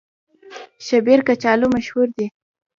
شیبر کچالو مشهور دي؟